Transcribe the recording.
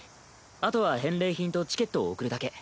あとは返礼品とチケットを送るだけ。